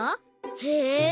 へえ。